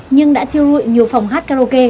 nhưng đã thiêu rụi nhiều phòng hát karaoke